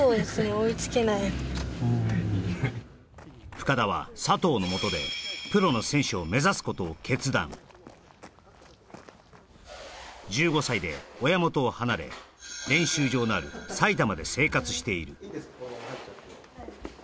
深田は佐藤のもとでプロの選手を目指すことを決断１５歳で親元を離れ練習場のある埼玉で生活しているいいんですか？